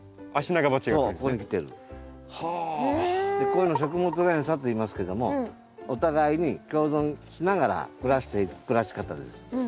こういうのを食物連鎖といいますけどもお互いに共存しながら暮らしていく暮らし方です。